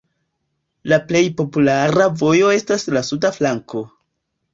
La plej populara vojo estas la suda flanko.